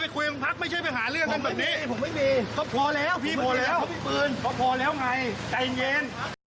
ผมไม่ห่างสู่นุดขนาดกัน